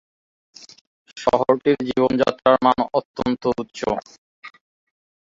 শহরটির জীবনযাত্রার মান অত্যন্ত উচ্চ।